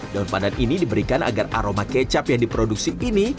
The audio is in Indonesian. daun pandan ini diberikan agar aroma kecap yang diproduksi ini